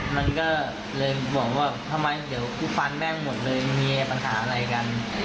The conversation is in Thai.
มันก็เลยบอกว่าทำไมเดี๋ยวกูฟันแม่งหมดเลยมีปัญหาอะไรกัน